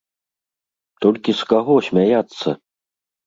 Толькі з каго смяяцца?